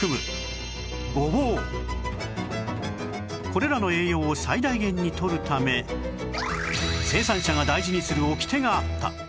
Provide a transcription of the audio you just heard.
これらの栄養を最大限にとるため生産者が大事にするオキテがあった